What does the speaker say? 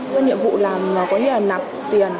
những nhiệm vụ làm có nghĩa là nạp tiền